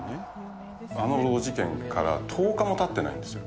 アーノルド事件から１０日もたってないんですよ。